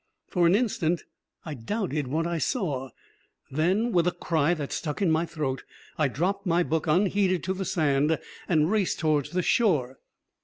For an instant I doubted what I saw; then, with a cry that stuck in my throat, I dropped my book unheeded to the sand and raced towards the shore.